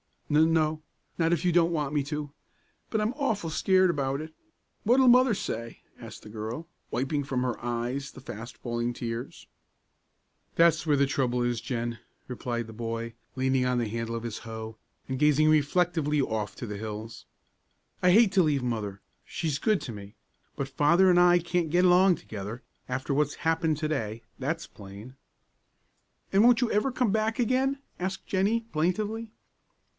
"N no, not if you don't want me to, but I'm awful scared about it. What'll Mother say?" asked the girl, wiping from her eyes the fast falling tears. "That's where the trouble is, Jen," replied the boy, leaning on the handle of his hoe, and gazing reflectively off to the hills. "I hate to leave Mother, she's good to me; but Father and I can't get along together after what's happened to day, that's plain." "And won't you ever come back again?" asked Jennie, plaintively.